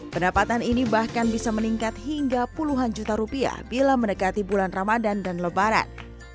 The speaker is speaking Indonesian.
pendapatan ini bahkan bisa meningkat hingga puluhan juta rupiah bila mendekati bulan ramadan dan lebaran